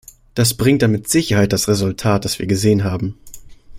Das bringt dann mit Sicherheit das Resultat, das wir gesehen haben.